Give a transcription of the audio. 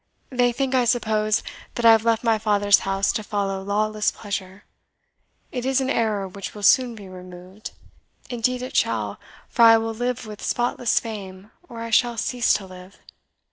They think, I suppose, that I have left my father's house to follow lawless pleasure. It is an error which will soon be removed indeed it shall, for I will live with spotless fame, or I shall cease to live.